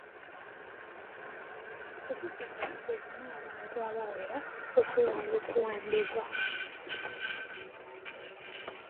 Kozesa ttakisi erimu abantu abawera okwewala okuwambibwa.